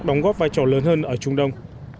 đóng góp vai trò lớn hơn ở trung đông